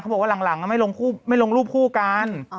บอกว่าหลังไม่ลงรูปคู่กัน